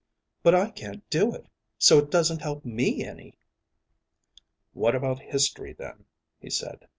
"But I can't do it, so it doesn't help me any!" "What about history, then?" he said.